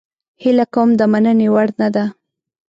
هیله کوم د مننې وړ نه ده